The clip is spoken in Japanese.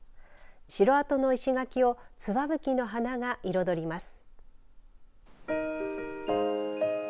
城跡の石垣をつわぶきの花が彩ります。